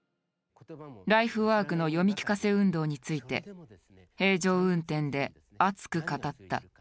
ライフワークの読み聞かせ運動について平常運転で熱く語った。